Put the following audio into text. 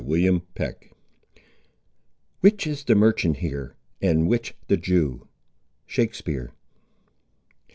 CHAPTER XXXI Which is the merchant here, and which the Jew? —Shakespeare.